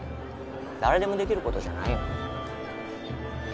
誰でもできることじゃないよ